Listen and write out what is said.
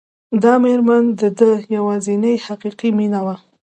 دا مېرمن د ده يوازېنۍ حقيقي مينه وه.